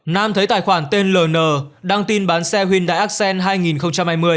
nam thấy tài khoản tên ln đăng tin bán xe hyundai accent hai nghìn hai mươi